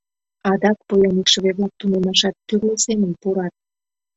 Адак поян икшыве-влак тунемашат тӱрлӧ семын пурат.